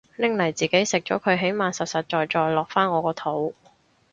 拎嚟自己食咗佢起碼實實在在落返我個肚